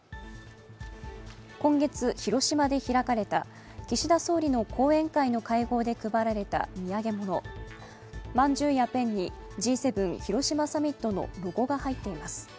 今月、広島で開かれた岸田総理の後援会の会合で配られた土産物まんじゅうやペンにＧ７広島サミットのロゴが入っています。